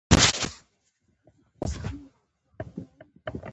سپي د کور ساتنه کوي.